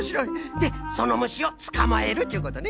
でそのむしをつかまえるっちゅうことね。